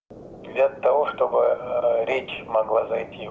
untuk bisa berbicara tentang pertemuan antara presiden rusia dan ukraina